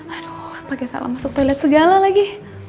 aduh pakai salam masuk toilet segala lagi